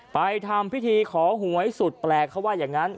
ไปทำพิธีขอหวยสุดแปลกเขาว่าอย่างนั้น